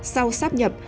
sau sắp nhập